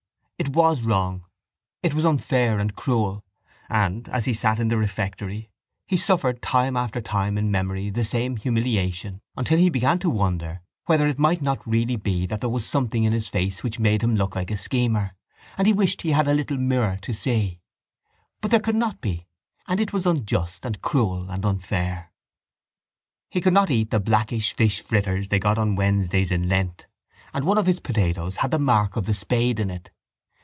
It was wrong; it was unfair and cruel; and, as he sat in the refectory, he suffered time after time in memory the same humiliation until he began to wonder whether it might not really be that there was something in his face which made him look like a schemer and he wished he had a little mirror to see. But there could not be; and it was unjust and cruel and unfair. He could not eat the blackish fish fritters they got on Wednesdays in Lent and one of his potatoes had the mark of the spade in it.